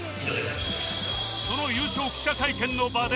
その優勝記者会見の場で